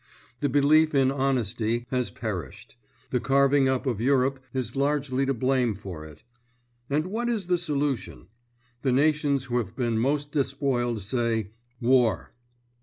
The belief in honesty has perished; the carving up of Europe is largely to blame for it. And what is the solution? The nations who have been most despoiled say, "War."